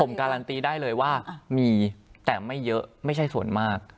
ผมการันตีได้เลยว่ามีแต่ไม่เยอะไม่ใช่ส่วนมาก